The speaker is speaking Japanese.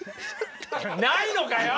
ないのかよ！